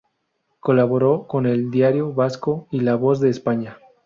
Colaboró con "El Diario Vasco" y "La Voz de España".